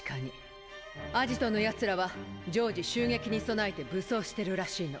アジトの奴らは常時襲撃に備えて武装してるらしいの。